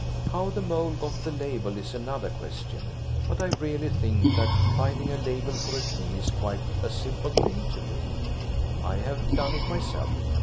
How the Mole got the label is another question, but I really think that finding a label for a key is quite a simple thing to do–I have done it myself.